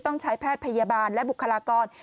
ต้องใช้แพทย์พยาบาลและบุคลากร